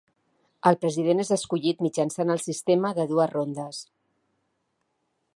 El president és escollit mitjançant el sistema de dues rondes.